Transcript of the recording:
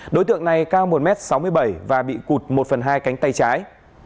đối tượng này cao một m sáu mươi bảy và bị cụt một phần hai cánh tay trái